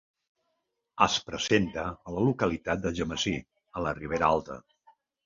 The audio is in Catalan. Es presenta a la localitat d'Algemesí, a la Ribera Alta.